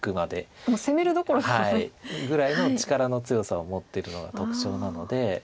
もう攻めるどころではない。ぐらいの力の強さを持ってるのが特徴なので。